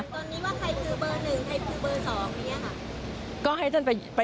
ตอนนี้ว่าใครคือเบอร์หนึ่งใครคือเบอร์๒อย่างนี้ค่ะ